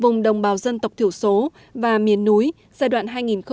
công bào dân tộc thiểu số và miền núi giai đoạn hai nghìn hai mươi một hai nghìn ba mươi